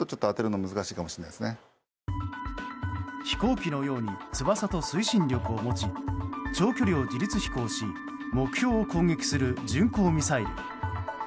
飛行機のように翼と推進力を持ち長距離を自律飛行し目標を攻撃する巡航ミサイル。